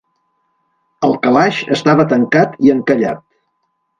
El calaix estava tancat i encallat.